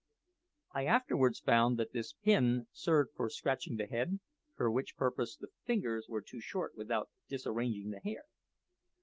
I afterwards found that this pin served for scratching the head, for which purpose the fingers were too short without disarranging the hair.